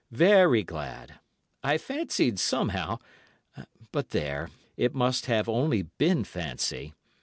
'Very glad. I fancied somehow—but there, it must have only been fancy.